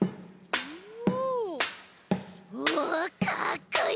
おかっこいい！